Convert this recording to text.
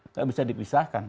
nggak bisa dipisahkan